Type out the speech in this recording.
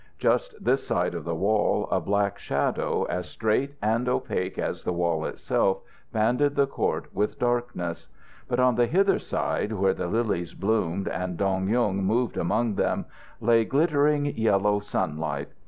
Just this side of the wall a black shadow, as straight and opaque as the wall itself, banded the court with darkness; but on the hither side, where the lilies bloomed and Dong Yung moved among them, lay glittering, yellow sunlight.